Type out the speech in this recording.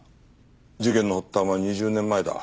事件の発端は２０年前だ。